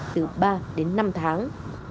từ ba đến năm tháng